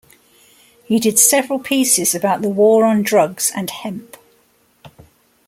He did several pieces about the war on drugs and hemp.